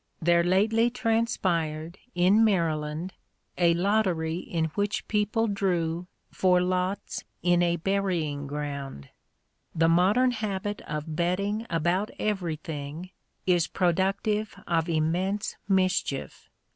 There lately transpired, in Maryland, a lottery in which people drew for lots in a burying ground! The modern habit of betting about everything is productive of immense mischief.